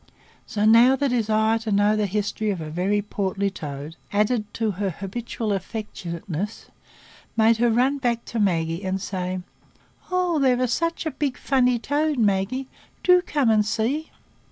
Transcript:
So now the desire to know the history of a very portly toad, added to her habitual affectionateness, made her run back to Maggie and say, "Oh, there is such a big, funny toad, Maggie! Do come and see!"